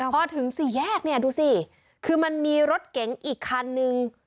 พอถึงสี่แยกเนี่ยดูสิคือมันมีรถเก๋งอีกคันนึง